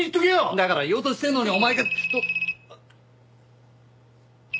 だから言おうとしてるのにお前が！